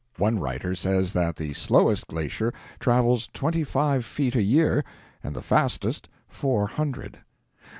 One writer says that the slowest glacier travels twenty five feet a year, and the fastest four hundred.